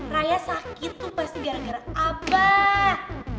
raya sakit tuh pasti gara gara abah